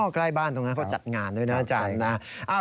ใกล้บ้านตรงนั้นเขาจัดงานด้วยนะอาจารย์นะ